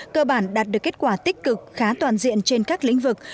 cơ bản đạt được kết quả tích cực khá toàn diện trên các lĩnh vực